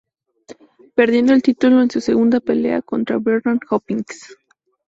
Perdiendo el título en su segunda pelea contra Bernard Hopkins.